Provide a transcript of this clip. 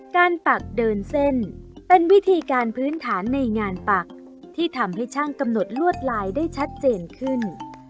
ปักเดินเส้นเป็นวิธีการพื้นฐานในงานปักที่ทำให้ช่างกำหนดลวดลายได้ชัดเจนขึ้น